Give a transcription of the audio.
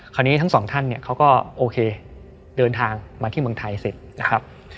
ทั้งสองท่านเนี่ยเขาก็โอเคเดินทางมาที่เมืองไทยเสร็จนะครับ